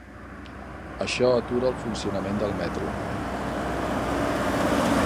Això atura el funcionament del metro.